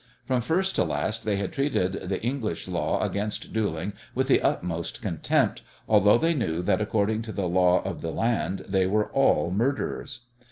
From first to last they had treated the English law against duelling with the utmost contempt, although they knew that according to the law of the land they were all murderers.